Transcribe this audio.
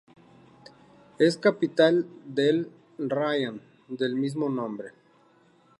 Es capital del raión del mismo nombre.